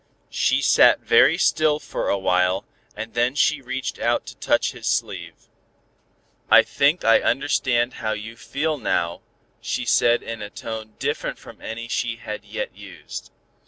She sat very still for a while, and then she reached out to touch his sleeve. "I think I understand how you feel now," she said in a tone different from any she had yet used.